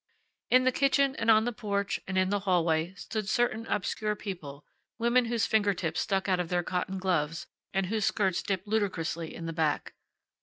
In the kitchen and on the porch and in the hallway stood certain obscure people women whose finger tips stuck out of their cotton gloves, and whose skirts dipped ludicrously in the back.